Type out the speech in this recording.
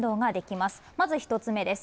まず１つ目です。